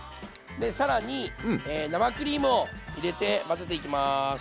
で更に生クリームを入れて混ぜていきます。